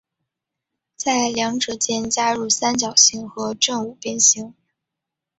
在两者间加入三角形和正五边形。